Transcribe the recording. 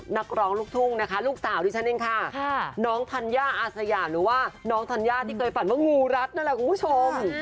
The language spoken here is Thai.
นักร้องลูกทุ่งนะคะลูกสาวดิฉันเองค่ะน้องธัญญาอาสยามหรือว่าน้องธัญญาที่เคยฝันว่างูรัดนั่นแหละคุณผู้ชม